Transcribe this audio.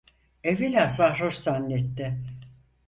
Evvela sarhoş zannetti.